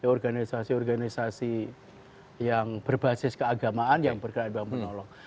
organisasi organisasi yang berbasis keagamaan yang berkaitan dengan penolong